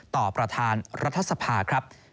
ประธานรัฐสภาครับ